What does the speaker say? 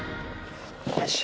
よいしょ。